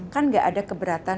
kan gak ada keberadaan